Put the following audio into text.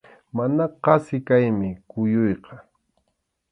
Mana qasi kaymi kuyuyqa.